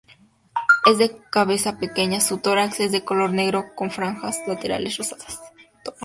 Es de cabeza pequeña, su tórax es de color negro, con franjas laterales rosadas.